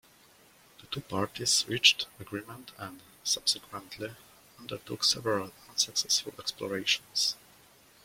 The two parties reached agreement and, subsequently, undertook several unsuccessful explorations.